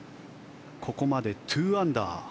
ここまで２アンダー。